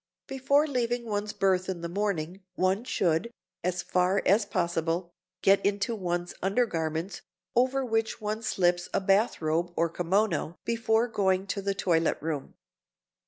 Before leaving one's berth in the morning, one should, as far as possible, get into one's undergarments over which one slips a bathrobe or kimono before going to the toilet room.